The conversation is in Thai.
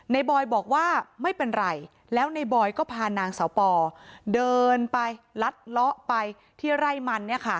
บอยบอกว่าไม่เป็นไรแล้วในบอยก็พานางสาวปอเดินไปลัดเลาะไปที่ไร่มันเนี่ยค่ะ